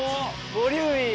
ボリューミー！